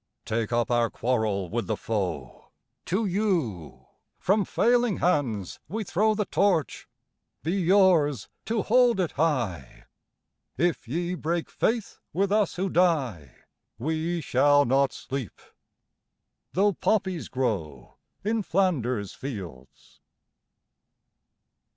Take up our quarrel with the foe: To you from failing hands we throw The Torch: be yours to hold it high! If ye break faith with us who die We shall not sleep, though poppies grow In Flanders fields.